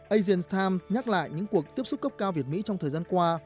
asian times nhắc lại những cuộc tiếp xúc cấp cao việt mỹ trong thời gian qua